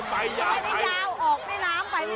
ไม่ได้ยาวออกในน้ำไป